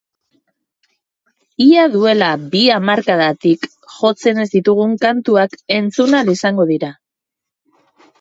Ia duela bi hamarkadatik jotzen ez ditugun kantuak entzun ahal izango dira.